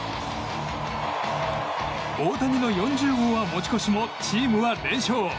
大谷の４０号は持ち越しもチームは連勝。